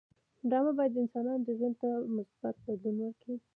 ډرامه باید د انسانانو ژوند ته مثبت بدلون ورکړي